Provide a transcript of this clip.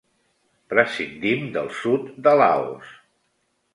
Prescindim del sud de Laos.